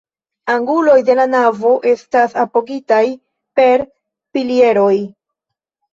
Anguloj de la navo estas apogitaj per pilieroj.